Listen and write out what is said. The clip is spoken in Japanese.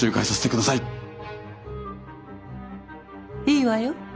いいわよ。